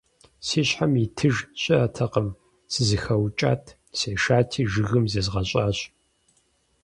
Си щхьэм итыж щыӀэтэкъым, сызэхэукӀат, сешати, жыгым зезгъэщӀащ.